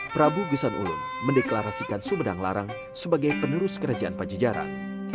prabu gesan ulun mendeklarasikan sumedang larang sebagai penerus kerajaan pajajaran